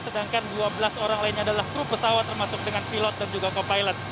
sedangkan dua belas orang lainnya adalah truk pesawat termasuk dengan pilot dan juga co pilot